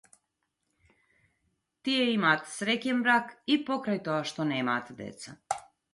Тие имаат среќен брак, и покрај тоа што немаат деца.